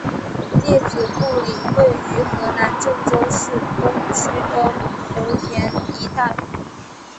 列子故里位于河南郑州市东区的圃田一带。